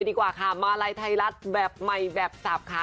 ดีกว่าค่ะมาลัยไทยรัฐแบบใหม่แบบสับค่ะ